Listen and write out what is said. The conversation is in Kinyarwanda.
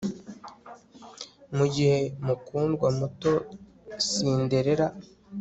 mugihe mukundwa muto cinderella